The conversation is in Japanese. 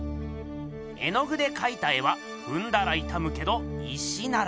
絵の具でかいた絵はふんだらいたむけど石なら。